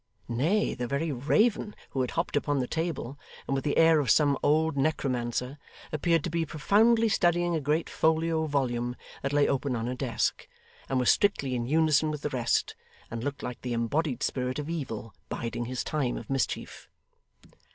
Nay, the very raven, who had hopped upon the table and with the air of some old necromancer appeared to be profoundly studying a great folio volume that lay open on a desk, was strictly in unison with the rest, and looked like the embodied spirit of evil biding his time of mischief.